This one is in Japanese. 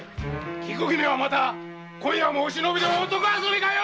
菊姫はまた今夜もお忍びで男遊びかよ！